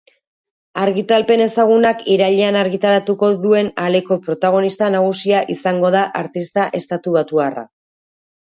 Argitalpen ezagunak irailean argitaratuko duen aleko protagonista nagusia izango da artista estatubatuarra.